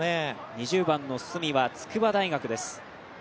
２０番の角は筑波大学です。